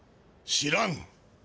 知らん？